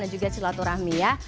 dan juga silaturahmi ya